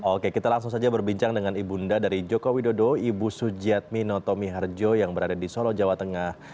oke kita langsung saja berbincang dengan ibunda dari joko widodo ibu sujiatmi notomi harjo yang berada di solo jawa tengah